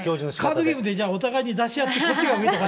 カードゲームで、お互いに出し合ってこっちが上とか？